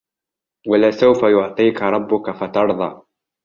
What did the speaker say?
وَلَسَوْفَ يُعْطِيكَ رَبُّكَ فَتَرْضَى